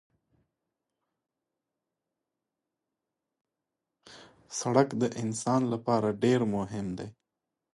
سړک د انسان لپاره ډېر مهم دی.